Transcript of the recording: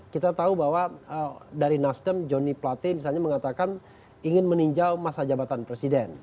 kita tahu bahwa dari nasdem joni plate misalnya mengatakan ingin meninjau masa jabatan presiden